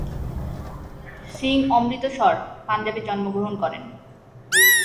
সিং অমৃতসর, পাঞ্জাবে জন্মগ্রহণ করেন।